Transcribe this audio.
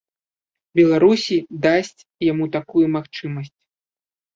Беларусі дасць яму такую магчымасць.